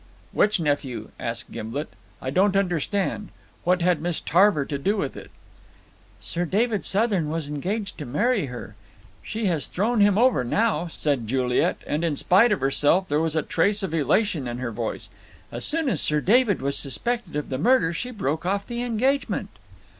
"Which nephew?" asked Gimblet. "I don't understand. What had Miss Tarver to do with it?" "Sir David Southern was engaged to marry her. She has thrown him over now," said Juliet, and in spite of herself there was a trace of elation in her voice. "As soon as Sir David was suspected of the murder she broke off the engagement."